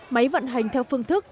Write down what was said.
máy vận hành theo phương thức